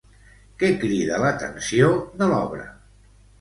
Què crida l'atenció de l'obra?